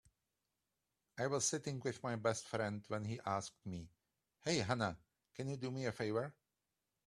I was sitting with my best friend when he asked me, "Hey Hannah, can you do me a favor?"